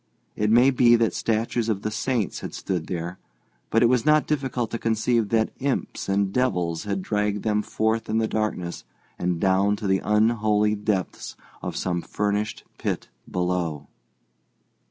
It may be that statues of the saints had stood there, but it was not difficult to conceive that imps and devils had dragged them forth in the darkness and down to the unholy depths of some furnished pit below.